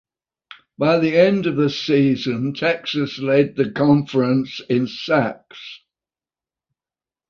By the end of the season, Texas led the conference in sacks.